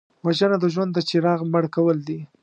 وژنه د ژوند د څراغ مړ کول دي